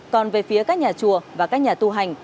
còn về phía các nhà chùa và các nhà tu hành